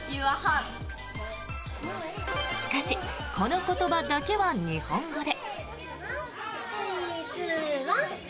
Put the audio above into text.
しかし、この言葉だけは日本語で。